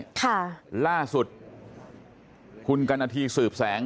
พูดเอาไว้ก่อนหน้านี้ค่ะล่าสุดคุณกรรณฐีสืบแสง